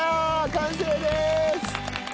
完成です！